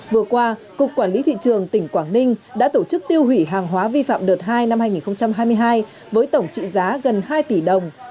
vừa qua cục quản lý thị trường tỉnh quảng ninh đã tổ chức tiêu hủy hàng hóa vi phạm đợt hai năm hai nghìn hai mươi hai với tổng trị giá gần hai tỷ đồng